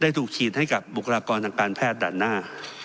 ถูกฉีดให้กับบุคลากรทางการแพทย์ด่านหน้า